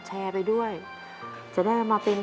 แต่ที่แม่ก็รักลูกมากทั้งสองคน